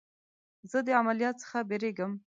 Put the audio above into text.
زه د عملیات څخه بیریږم.